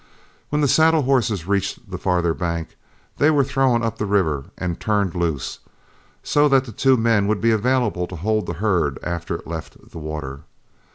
When the saddle horses reached the farther bank, they were thrown up the river and turned loose, so that the two men would be available to hold the herd after it left the water.